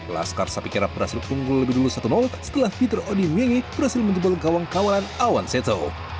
laskar sapikera berhasil punggul lebih dulu satu setelah peter odi miege berhasil menjemput kawang kawalan awan seto